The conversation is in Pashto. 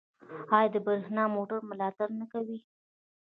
آیا د بریښنايي موټرو ملاتړ نه کوي؟